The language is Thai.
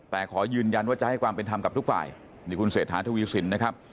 แต่ขอยืนยันว่าจะให้ความเป็นธรรมกับทุกฝ่ายนี่คุณเศรษฐาทวีสินนะครับ